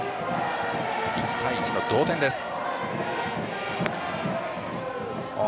１対１の同点です。